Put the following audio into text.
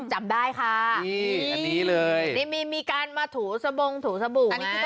จับได้ค่ะนี่อันนี้เลยนี่มีการมาถูสบงถูสบู่